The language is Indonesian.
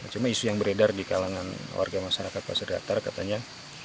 cuma isu yang beredar di kalangan warga masyarakat pasar datar katanya